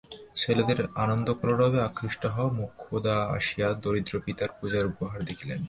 ছেলেদের আনন্দকলরবে আকৃষ্ট হইয়া মোক্ষদা আসিয়া দরিদ্র পিতার পূজার উপহার দেখিলেন।